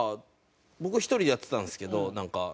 僕は１人でやってたんですけどなんか。